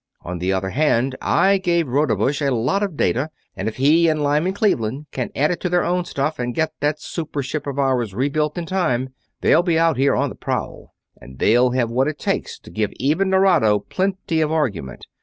On the other hand, I gave Rodebush a lot of data, and if he and Lyman Cleveland can add it to their own stuff and get that super ship of ours rebuilt in time, they'll be out here on the prowl; and they'll have what it takes to give even Nerado plenty of argument.